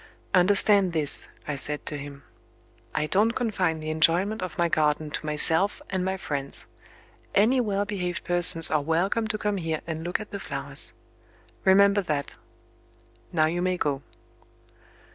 "Understand this," I said to him: "I don't confine the enjoyment of my garden to myself and my friends. Any well behaved persons are welcome to come here and look at the flowers. Remember that. Now you may go."